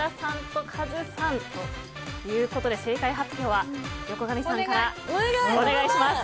ということで正解発表は横上さんからお願いします。